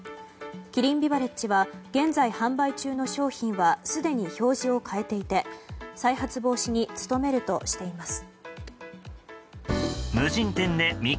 キリンビバレッジは現在販売中の商品はすでに表示を変えていて再発防止に努めるとしています。